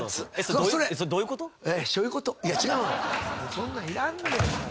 そんなんいらんねん。